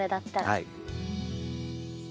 はい。